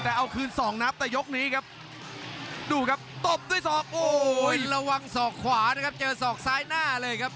ท่านผู้ชมแล้วก็ว่าโทนหรือทนครับ